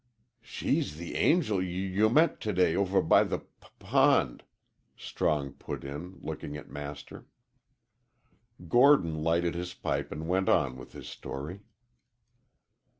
"She's the angel y you met to day over by the p pond," Strong put in, looking at Master. Gordon lighted his pipe and went on with his story.